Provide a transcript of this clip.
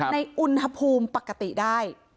ในอุณหภูมิปกติได้